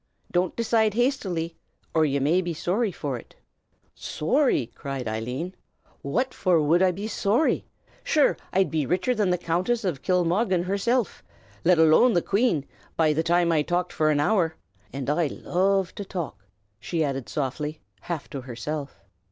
Don't decide hastily, or ye may be sorry for it." "Sorry!" cried Eileen, "what for wud I be sorry? Sure I'd be richer than the Countess o' Kilmoggen hersilf, let alone the Queen, be the time I'd talked for an hour. An' I loove to talk!" she added softly, half to herself.